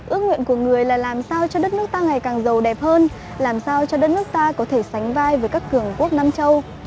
ước nguyện của người là làm sao cho đất nước ta ngày càng giàu đẹp hơn làm sao cho đất nước ta có thể sánh vai với các cường quốc nam châu